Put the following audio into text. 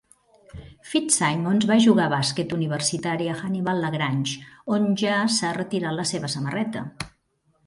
Fitzsimmons va jugar bàsquet universitari a Hannibal-LaGrange, on ja s'ha retirat la seva samarreta.